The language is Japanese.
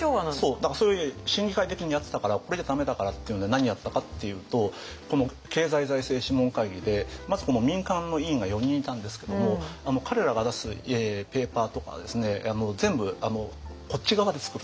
そうだからそれを審議会的にやってたからこれじゃだめだからっていうので何やったかっていうとこの経済財政諮問会議でまずこの民間の委員が４人いたんですけども彼らが出すペーパーとかですね全部こっち側で作ると。